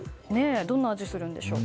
どんな味がするんでしょう。